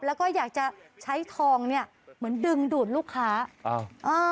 แล้วก็อยากจะใช้ทองเนี้ยเหมือนดึงดูดลูกค้าอ้าวเออ